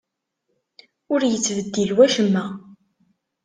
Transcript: Ur yettbeddil wacemma.